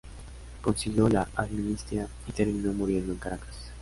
Consiguió la amnistía y terminó muriendo en Caracas.